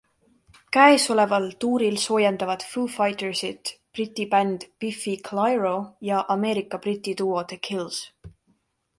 Käesoleval tuuril soojendavad Foo Fightersit Briti bänd Biffy Clyro ja Ameerika-Briti duo The Kills.